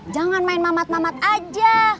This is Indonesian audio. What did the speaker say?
jangan main mamat mamat aja